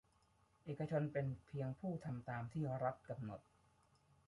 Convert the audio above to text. เอกชนเป็นเพียงผู้ทำตามที่รัฐกำหนด